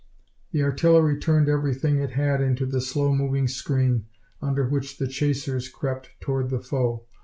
The artillery turned everything it had into the slow moving screen, under which the "chasers" crept toward the foe.